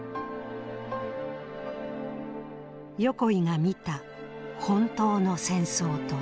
横井が見た「本当の戦争」とは。